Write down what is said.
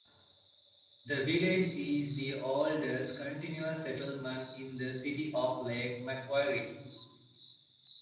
The village is the oldest continuous settlement in the City of Lake Macquarie.